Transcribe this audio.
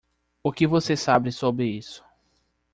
O que você sabe sobre isso?